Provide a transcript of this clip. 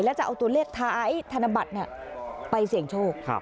แล้วจะเอาตัวเลขไท้ธนบัตรเนี้ยไปเสี่ยงโชคครับ